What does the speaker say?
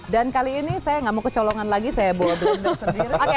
dan kali ini saya nggak mau kecolongan lagi saya bawa blender sendiri